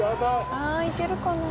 ああいけるかな？